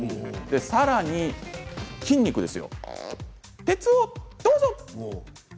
さらに、筋肉、鉄をどうぞ。